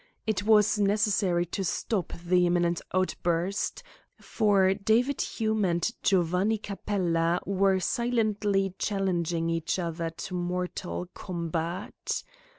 It was necessary to stop the imminent outburst, for David Hume and Giovanni Capella were silently challenging each other to mortal combat.